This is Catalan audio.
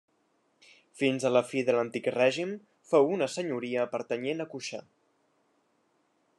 Fins a la fi de l'Antic Règim fou una senyoria pertanyent a Cuixà.